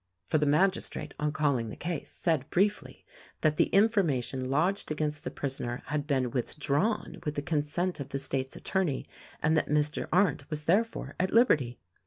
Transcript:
For the magistrate, on calling the case, said briefly, that the information lodged against the prisoner had been with drawn with the consent of the State's attorney and that Mr. Arndt was therefore at liberty.